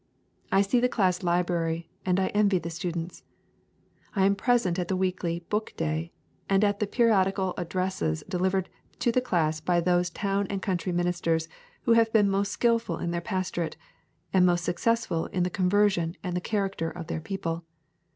I see the class library, and I envy the students. I am present at the weekly book day, and at the periodical addresses delivered to the class by those town and country ministers who have been most skilful in their pastorate and most successful in the conversion and in the character of their people.